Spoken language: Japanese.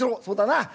「そうだな。